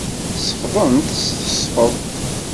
Sefḍent s tesfeḍt.